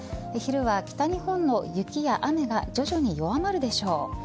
昼は北日本の雪や雨が徐々に弱まるでしょう。